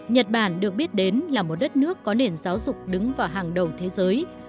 nhật bản được biết đến là một đất nước có nền giáo dục đứng vào hàng đầu thế giới